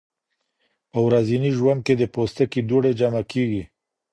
په ورځني ژوند کې د پوستکي دوړې جمع کېږي.